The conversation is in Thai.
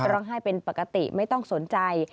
ร้องไห้เป็นปกติไม่ต้องสนใจ